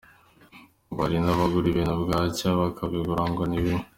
Ngo hari n’abagura ibintu bwacya bakabigarura ngo ni bibi.